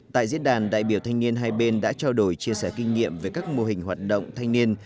tại diễn đàn đại biểu thanh niên hai bên đã trao đổi chia sẻ kinh nghiệm về các mô hình hoạt động thanh niên